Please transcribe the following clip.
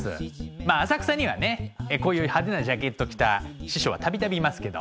まあ浅草にはねこういう派手なジャケット着た師匠は度々いますけど。